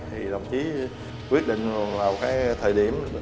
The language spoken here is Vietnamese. thì đồng chí quyết định là một thời điểm